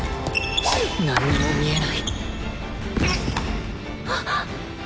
何にも見えないはっ！